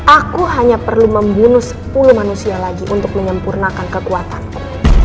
aku hanya perlu membunuh sepuluh manusia lagi untuk menyempurnakan kekuatanku